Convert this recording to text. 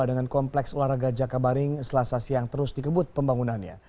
dengan kompleks olahraga jakabaring selasa siang terus dikebut pembangunannya